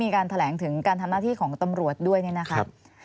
การแถลงถึงการทำหน้าที่ของตำรวจด้วยเนี่ยนะครับ